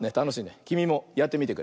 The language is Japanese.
きみもやってみてくれ！